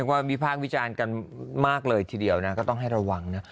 ก็วิพากษ์วิจารณ์กันมากเลยทีเดียวนะก็ต้องให้ระวังนะ